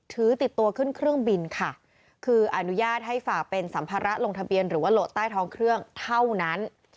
ถือติดตัวขึ้นเครื่องบินค่ะคืออนุญาตให้ฝากเป็นสัมภาระลงทะเบียนหรือว่าโหลดใต้ท้องเครื่องเท่านั้น